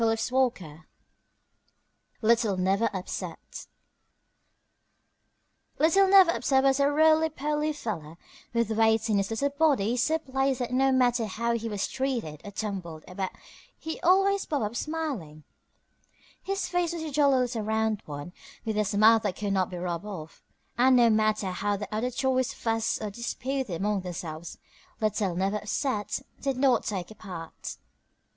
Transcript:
LITTLE NEVER UPSET [Illustration: Little Never upset] Little Never upset was a roly poly fellow, with weights in his little body so placed that no matter how he was treated or tumbled about he always bobbed up smiling. His face was a jolly little round one, with a smile that could not be rubbed off, and no matter how the other toys fussed or disputed among themselves, Little Never upset did not take a part.